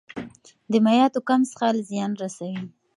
د مایعاتو کم څښل زیان رسوي.